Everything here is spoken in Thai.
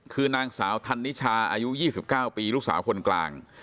คือนางสาวธันนิชาอายุ๒๙ปีลูกสาวคนกลาง